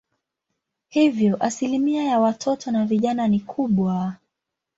Hivyo asilimia ya watoto na vijana ni kubwa.